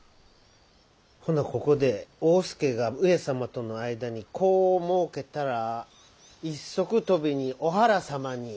ほなここで大典侍が上様との間に子をもうけたら一足飛びにお腹様に。